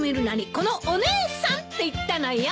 このお姉さんって言ったのよ！